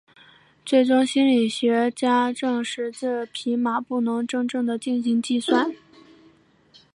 最终心理学家证实这匹马不能真正地进行计算。